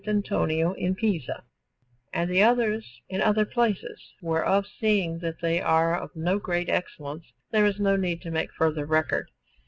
Antonio in Pisa, and others in other places, whereof, seeing that they are of no great excellence, there is no need to make further record.